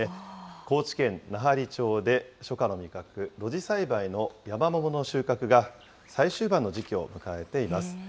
高知県奈半利町で初夏の味覚、露地栽培のヤマモモの収穫が最終盤の時期を迎えています。